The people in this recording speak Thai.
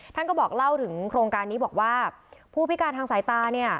ท่านก็บอกเล่าถึงโครงการนี้บอกว่าผู้พิการทางสายตาเนี่ย